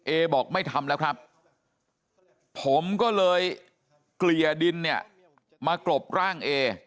เอบอกไม่ทำแล้วครับผมก็เลยเกลี่ยดินเนี่ยมากรบร่างเอ